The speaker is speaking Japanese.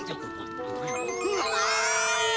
うまい！